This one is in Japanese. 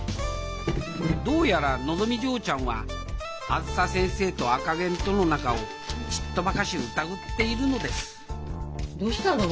どうやらのぞみ嬢ちゃんはあづさ先生と赤ゲンとの仲をちっとばかし疑っているのですどうしたの？